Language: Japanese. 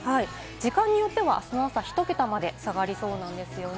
時間によっては明日の朝、ひと桁まで下がりそうなんですね。